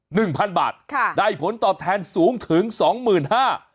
หนึ่งพันบาทค่ะได้ผลตอบแทนสูงถึงสองหมื่นห้า